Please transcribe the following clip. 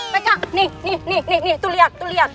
pegang nih nih nih tuh liat tuh liat